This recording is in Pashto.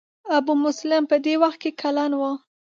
ابو مسلم په دې وخت کې کلن و.